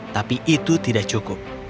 tapi itu tidak cukup